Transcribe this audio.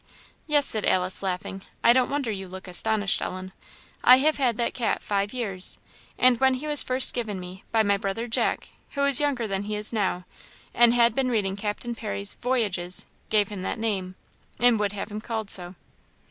"Yes," said Alice, laughing; "I don't wonder you look astonished, Ellen. I have had that cat five years, and when he was first given me, by my brother Jack, who was younger then than he is now, and had been reading Captain Parry's Voyages, gave him that name, and would have him called so.